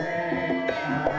adanya waktu haram